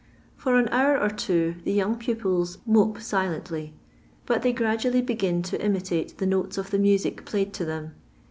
For an hour or two the young pupils mope silently, bnt they gradually begin to imitate the notes of the music played to (hem.